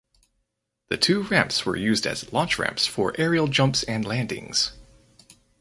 The two ramps were used as launch ramps for aerial jumps and landings.